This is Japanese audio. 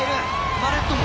マレットも！